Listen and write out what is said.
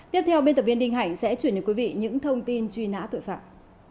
tiếp theo biên tập viên đinh hạnh sẽ truyền đến quý vị những thông tin truy nã tội phạm